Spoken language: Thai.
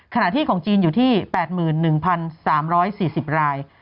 ขณะที่ของจีนอยู่ที่๘๑๓๔๐ราย